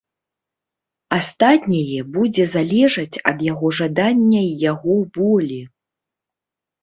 Астатняе будзе залежаць ад яго жадання і яго волі.